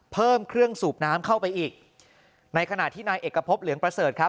เพิ่มเครื่องสูบน้ำเข้าไปอีกในขณะที่นายเอกพบเหลืองประเสริฐครับ